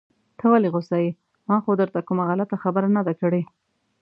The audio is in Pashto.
ته ولې غوسه يې؟ ما خو درته کومه غلطه خبره نده کړي.